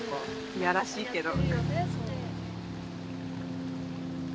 いやらしいけど。